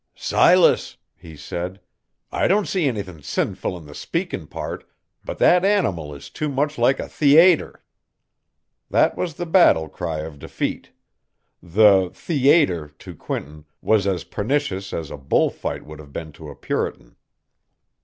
"Silas!" he said, "I don't see anythin' sinful in the speakin' part, but that animal is too much like a theayter!" That was the battle cry of defeat. The "theayter," to Quinton, was as pernicious as a bullfight would have been to a Puritan.